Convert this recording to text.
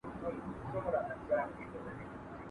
تاسو باید تل په پاکه هوا کې ساه واخلئ او ورزش وکړئ.